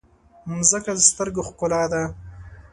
مځکه د سترګو ښکلا ده.